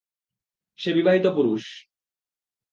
সে বিবাহিত পুরুষ!